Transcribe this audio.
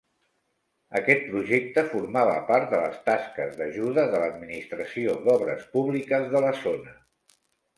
Aquest projecte formava part de les tasques d'ajuda de l'Administració d'Obres Públiques de la zona.